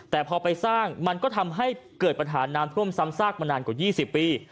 แต่พอไปสร้างมันก็ทำให้เกิดปัญหาน้ำท่วมซ้ำซากมานานกว่า๒๐ปี